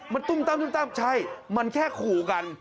มันตุ้มตั้มใช่มันแค่ขู่กัน